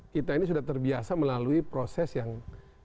kita ini sudah terbiasa melalui proses yang